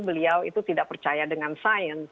beliau itu tidak percaya dengan sains